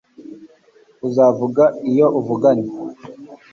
Uzavuga iyo uvuganye